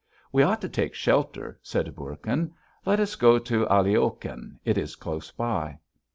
"We ought to take shelter," said Bourkin. "Let us go to Aliokhin. It is close by."